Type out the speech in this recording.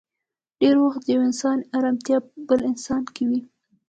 ډېری وخت د يو انسان ارمتيا په بل انسان کې وي.